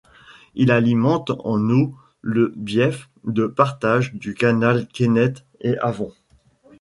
Il alimente en eau le bief de partage du canal Kennet et Avon.